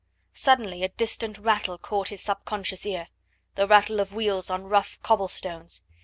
Suddenly a distant rattle caught his subconscious ear: the rattle of wheels on rough cobble stones.